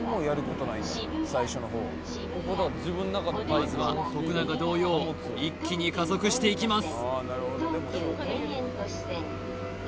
まずは徳永同様一気に加速していきます